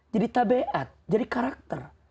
jadi tabiat jadi karakter